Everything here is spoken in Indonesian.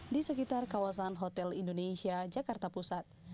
di sekitar kawasan hotel indonesia jakarta pusat